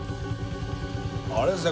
あれですね